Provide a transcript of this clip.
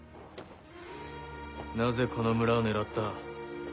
なぜこの村を狙った？